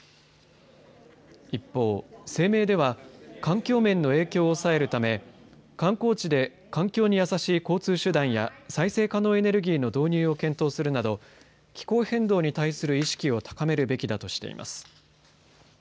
一方、声明では環境面の影響を抑えるため観光地で環境に優しい交通手段や再生可能エネルギーの導入を検討するなど気候変動に対する意識を高めるべきだとしています。